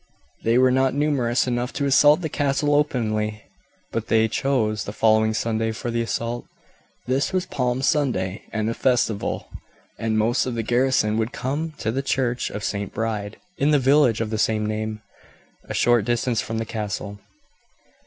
They were not numerous enough to assault the castle openly, but they chose the following Sunday for the assault. This was Palm Sunday and a festival, and most of the garrison would come to the Church of St. Bride, in the village of the same name, a short distance from the castle.